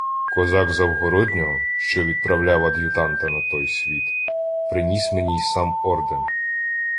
Козак Загороднього, що відправляв ад'ютанта на той світ, приніс мені й сам орден.